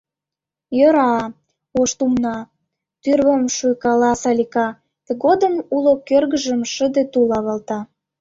— Йӧра-а, Ош тумна... — тӱрвым шуйдаркала Салика, тыгодым уло кӧргыжым шыде тул авалта.